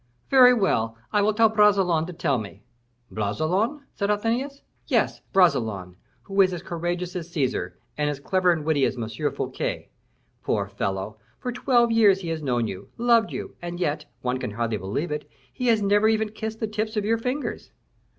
"Very well! I will ask Bragelonne to tell me." "Bragelonne?" said Athenais. "Yes! Bragelonne, who is as courageous as Caesar, and as clever and witty as M. Fouquet. Poor fellow! for twelve years he has known you, loved you, and yet one can hardly believe it he has never even kissed the tips of your fingers."